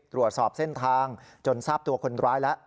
ตรวจสอบเส้นทางจนทราบตัวคนร้ายแล้ว